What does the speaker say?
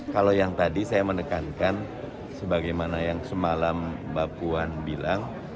kalau yang tadi saya menekankan sebagaimana yang semalam mbak puan bilang